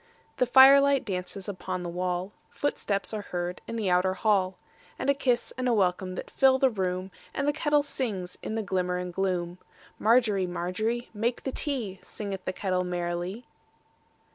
The firelight dances upon the wall, Footsteps are heard in the outer hall, And a kiss and a welcome that fill the room, And the kettle sings in the glimmer and gloom. Margery, Margery, make the tea, Singeth the kettle merrily.